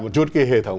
một chút cái hệ thống